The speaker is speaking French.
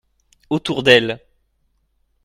Autour d’elle.